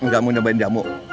gak mau nyobain jamu